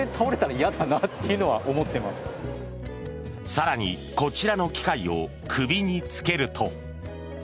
更に、こちらの機械を首に着けると。